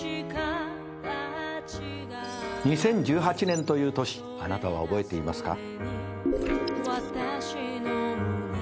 ２０１８年という年あなたは覚えていますか？